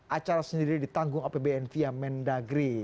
acara sendiri ditanggung apbn via mendagri